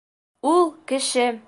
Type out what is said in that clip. — Ул — кеше!